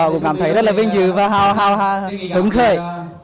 cũng cảm thấy rất là vinh dự và hào hào hứng khởi